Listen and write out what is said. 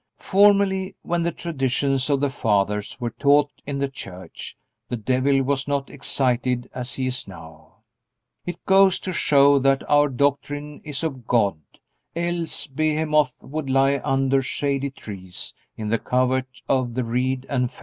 Formerly, when the traditions of the fathers were taught in the Church, the devil was not excited as he is now. It goes to show that our doctrine is of God, else "behemoth would lie under shady trees, in the covert of the reed, and fens."